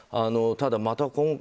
ただ、また